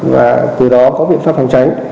và từ đó có biện pháp phòng tránh